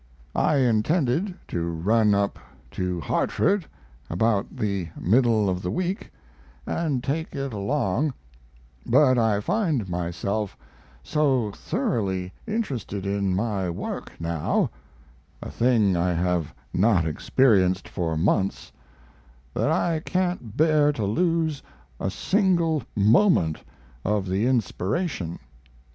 I intended to run up to Hartford about the middle of the week and take it along, but I find myself so thoroughly interested in my work now (a thing I have not experienced for months) that I can't bear to lose a single moment of the inspiration.